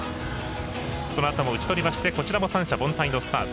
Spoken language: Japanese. そのあとも打ち取りましてこちらも三者凡退のスタート。